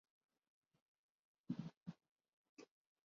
اور بَہُت دلکش اورخوبصورت انداز میں مَیں یِہ کو دانہ چننا ہونا